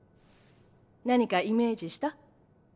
何かイメージした？